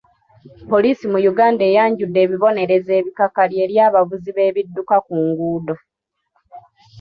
Poliisi mu Uganda eyanjudde ebibonerezo ebikakali eri abavuzi b'ebidduka ku nguudo.